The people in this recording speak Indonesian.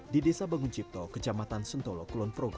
di desa banguncipto kejamatan sentolo kulon progo